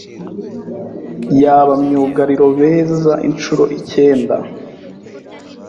y’aba myugariro beza inshuro icyenda